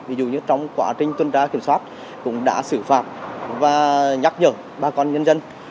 ví dụ như trong quá trình tuần tra kiểm soát cũng đã xử phạt và nhắc nhở bà con nhân dân